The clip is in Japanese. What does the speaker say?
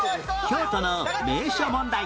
京都の名所問題